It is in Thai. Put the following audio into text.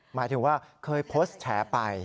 หมายถึงว่าเคยโพสต์แฉไป